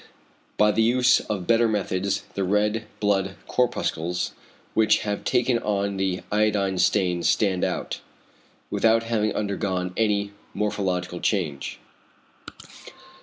By the use of better methods the red blood corpuscles which have taken on the iodine stain stand out, without having undergone any morphological change.